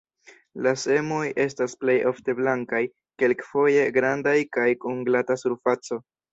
La semoj estas plej ofte blankaj, kelkfoje grandaj kaj kun glata surfaco.